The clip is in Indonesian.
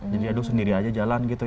jadi ya duh sendiri aja jalan gitu ya